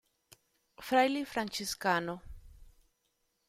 Fraile franciscano.